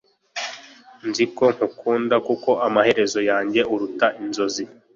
Nzi ko ngukunda kuko amaherezo yanjye aruta inzozi